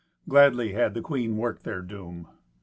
Gladly had the queen worked their doom.